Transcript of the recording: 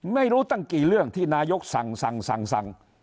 ไม่รู้ตั้งกี่เรื่องที่นายกสั่ง